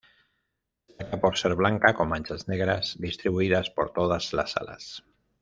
Destaca por ser blanca con manchas negras distribuidas por todas las alas.